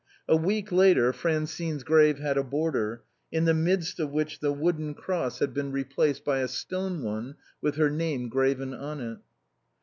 A week later, Francine's grave had a border, in the midst of which the wooden cross had been replaced by a stone one with her name graven on it.